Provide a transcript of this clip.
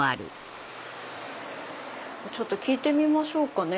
ちょっと聞いてみましょうかね